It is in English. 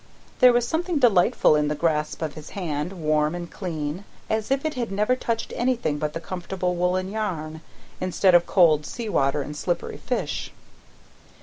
There was something delightful in the grasp of his hand, warm and clean, as if it never touched anything but the comfortable woolen yarn, instead of cold sea water and slippery fish.